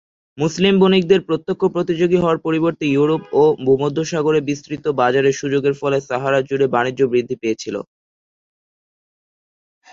মুসলিম বণিকদের প্রত্যক্ষ প্রতিযোগী হওয়ার পরিবর্তে ইউরোপ ও ভূমধ্যসাগরে বিস্তৃত বাজারের সুযোগের ফলে সাহারা জুড়ে বাণিজ্য বৃদ্ধি পেয়েছিল।